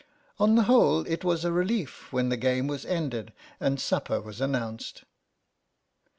On the whole, it was a relief when the game was ended and supper was announced.